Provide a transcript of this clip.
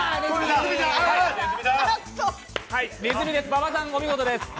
馬場さん、お見事です。